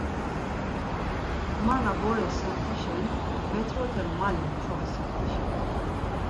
Ma na bore semtişen metrote malen çoği semtişe.